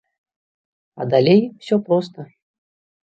А далей усё проста.